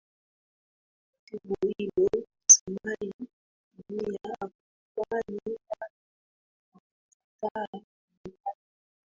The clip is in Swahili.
Kwa jibu hilo Samia hakukubali wala hakukataa palepale